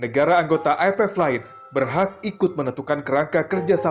pertama saya rasa més dan mpf berasal dari pembagian kebudayaan yang dibutuhkan oleh dari semua kategori unit kerja